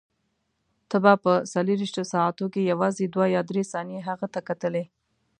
ته به په څلورویشتو ساعتو کې یوازې دوه یا درې ثانیې هغه ته کتلې.